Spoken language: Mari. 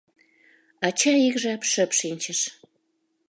Ача ик жап шып шинчыш.